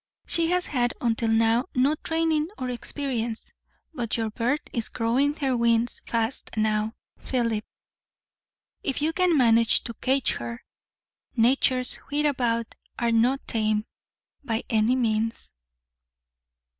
She has had until now no training or experience; but your bird is growing her wings fast now, Philip. If you can manage to cage her! Natures hereabout are not tame, by any means."